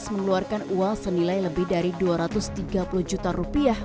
mengeluarkan uang senilai lebih dari dua ratus tiga puluh juta rupiah